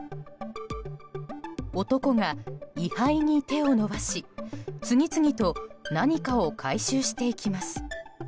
男が位牌に手を伸ばし次々と何かを回収していきます。